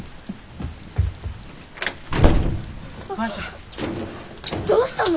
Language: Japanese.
マヤちゃん。どうしたの？